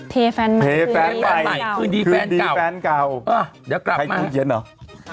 เทแฟนใหม่คือดีแฟนเก่าคือดีแฟนเก่าเดี๋ยวกลับมาใครคือเย็นหรอ